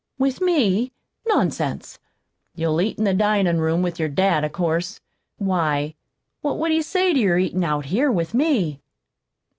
"With me? Nonsense! You'll eat in the dinin' room with your dad, of course. Why, what would he say to your eatin' out here with me?"